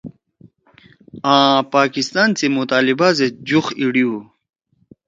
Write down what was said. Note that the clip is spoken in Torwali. آں پاکستان سی مطالبہ زید جُوخ ایِڑی ہُو